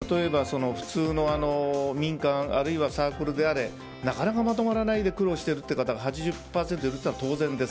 これは、会社であれ例えば普通の民間あるいはサークルであれなかなかまとまらないで苦労している方が８０％いるのは当然です。